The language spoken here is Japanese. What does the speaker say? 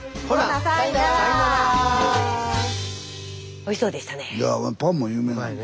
おいしそうでしたね。